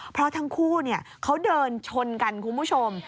เพราะทั้งคู่เขาเดินชนกันคุณผู้ชม